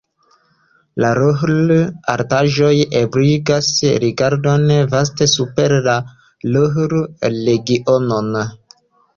La Ruhr-Altaĵoj ebligas rigardon vaste super la Ruhr-Regionon.